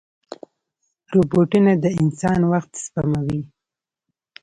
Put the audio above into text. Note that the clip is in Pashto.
روبوټونه د انسان وخت سپموي.